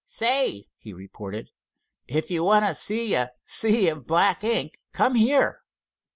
"Say," he reported, "if you want to see a sea of black ink, come here."